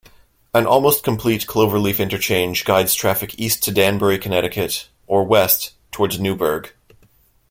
An almost-complete cloverleaf interchange guides traffic east to Danbury, Connecticut or west towards Newburgh.